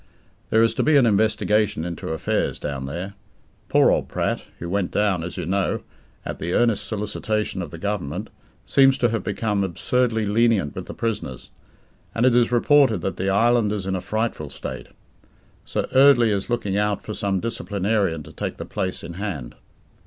"There is to be an investigation into affairs down there. Poor old Pratt who went down, as you know, at the earnest solicitation of the Government seems to have become absurdly lenient with the prisoners, and it is reported that the island is in a frightful state. Sir Eardley is looking out for some disciplinarian to take the place in hand.